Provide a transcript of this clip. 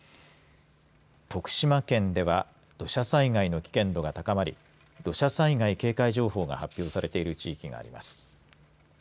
徳島県では土砂災害の危険度が高まり土砂災害警戒情報が発表されている地域があります。